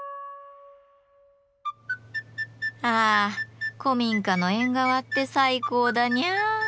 あ古民家の縁側って最高だニャー。